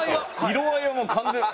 色合いはもう完全に。